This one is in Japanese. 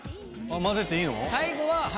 混ぜていいの？